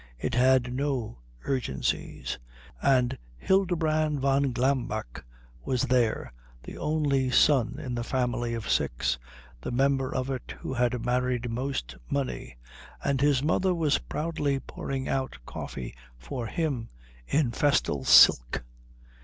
It had no urgencies; and Hildebrand von Glambeck was there, the only son in the family of six, the member of it who had married most money, and his mother was proudly pouring out coffee for him in festal silk.